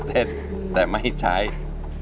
เพลงแรกของเจ้าเอ๋ง